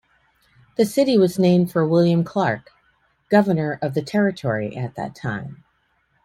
The city was named for William Clark, governor of the territory at that time.